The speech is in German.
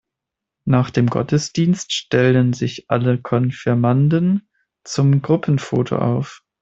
Nach dem Gottesdienst stellen sich alle Konfirmanden zum Gruppenfoto auf.